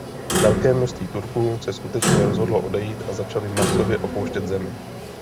Velké množství Turků se skutečně rozhodlo odejít a začali masově opouštět zemi.